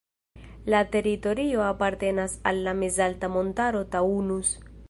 La teritorio apartenas al la mezalta montaro Taunus.